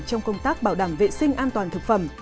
trong công tác bảo đảm vệ sinh an toàn thực phẩm